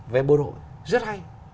về bộ đội rất hay